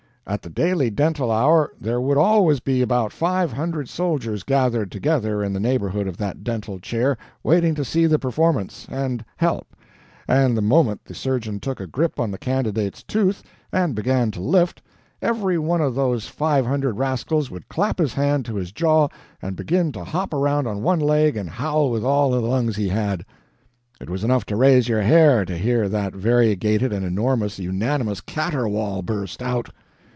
At the daily dental hour there would always be about five hundred soldiers gathered together in the neighborhood of that dental chair waiting to see the performance and help; and the moment the surgeon took a grip on the candidate's tooth and began to lift, every one of those five hundred rascals would clap his hand to his jaw and begin to hop around on one leg and howl with all the lungs he had! It was enough to raise your hair to hear that variegated and enormous unanimous caterwaul burst out!